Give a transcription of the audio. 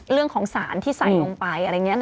เรื่องของสารที่ใส่ลงไปอะไรอย่างนี้